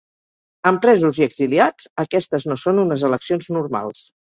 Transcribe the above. Amb presos i exiliats, aquestes no són unes eleccions normals.